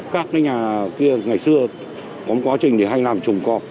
các nhà kia ngày xưa có một quá trình thì hay làm trùng cọp